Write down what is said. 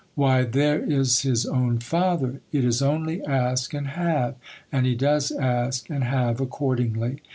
Why, there is his own father ! It is only ask and have ; and he does ask and have accordingly.